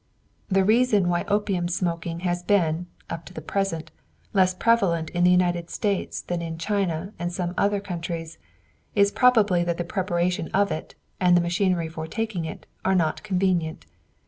The reason why opium smoking has been, up to the present, less prevalent in the United States than in China and some other countries is probably that the preparation of it and the machinery for taking it are not convenient.